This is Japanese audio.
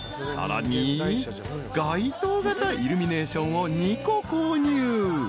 ［街灯形イルミネーションを２個購入］